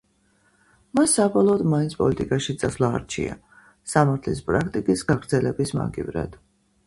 მან საბოლოოდ მაინც პოლიტიკაში წასვლა არჩია, სამართლის პრაქტიკის გაგრძელების მაგივრად.